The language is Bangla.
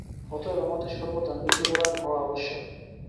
অতএব আমাদের সর্বদা নীতিপরায়ণ হওয়া আবশ্যক।